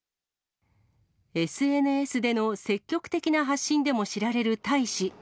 ＳＮＳでの積極的な発信でも知られる大使。